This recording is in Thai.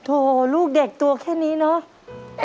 โหลูกเด็กตัวแค่นี้เนอะ